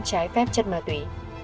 trái phép chất ma túy